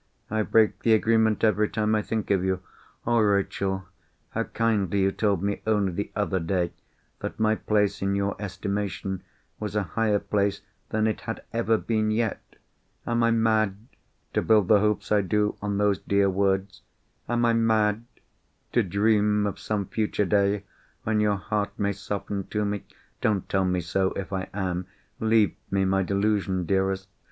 I break the agreement every time I think of you. Oh, Rachel! how kindly you told me, only the other day, that my place in your estimation was a higher place than it had ever been yet! Am I mad to build the hopes I do on those dear words? Am I mad to dream of some future day when your heart may soften to me? Don't tell me so, if I am! Leave me my delusion, dearest!